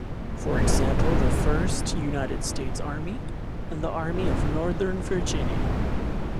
For example, the First United States Army and the Army of Northern Virginia.